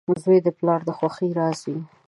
• زوی د پلار د خوښۍ راز وي.